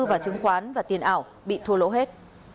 và chứng khoán và tiền ảo bị thua lỗ hết